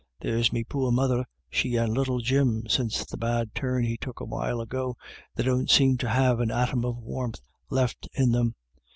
There's me poor mother, she and little Jim, since the bad turn he took a while ago, they don't seem to have an atom of warmth left in them.